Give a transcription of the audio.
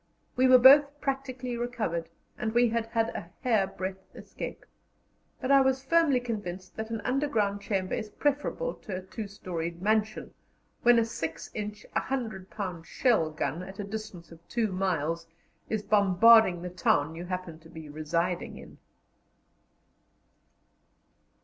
We were both practically recovered, and we had had a hairbreadth escape; but I was firmly convinced that an underground chamber is preferable to a two storied mansion when a 6 inch 100 pound shell gun, at a distance of two miles, is bombarding the town you happen to be residing in.